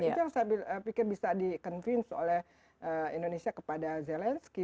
itu yang saya pikir bisa di convince oleh indonesia kepada zelensky